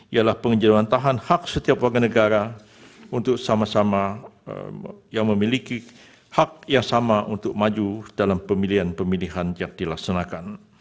ialah pengenjarawan tahan hak setiap warga negara untuk sama sama yang memiliki hak yang sama untuk maju dalam pemilihan pemilihan yang dilaksanakan